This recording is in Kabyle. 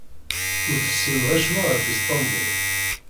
Ur tessineɣ acemma ɣef Isṭanbul.